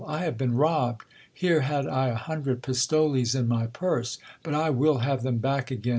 I have been robbed. Here had I a hundred pistoles in my purse ! But I will have them back again.